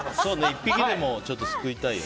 １匹でもすくいたいよね。